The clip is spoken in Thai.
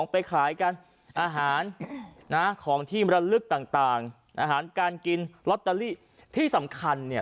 ไปขายกันอาหารนะของที่มรลึกต่างอาหารการกินลอตเตอรี่ที่สำคัญเนี่ย